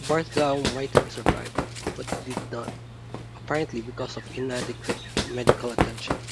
Barthou might have survived, but did not, apparently because of inadequate medical attention.